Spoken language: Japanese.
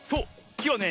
きはね